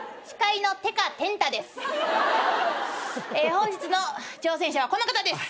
本日の挑戦者はこの方です。